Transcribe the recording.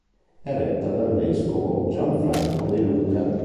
È retta dal vescovo Gianfranco De Luca.